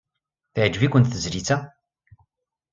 Teɛjeb-ikent tezlit-a?